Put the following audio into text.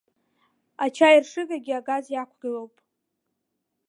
Ачаиршыгагьы агаз иақәгылоуп.